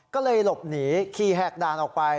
ก็เลยหลบหนีขี่แหกด่านออกไป